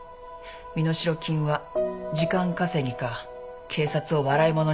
身代金は時間稼ぎか警察を笑いものにする工作。